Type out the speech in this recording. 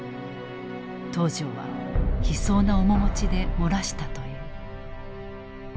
東條は悲壮な面持ちで漏らしたという。